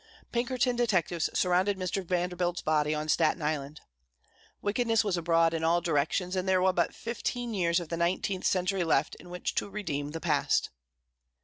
Pinkerton detectives surrounded Mr. Vanderbilt's body on Staten Island. Wickedness was abroad in all directions, and there were but fifteen years of the nineteenth century left in which to redeem the past.